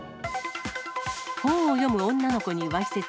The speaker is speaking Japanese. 本を読む女の子にわいせつ。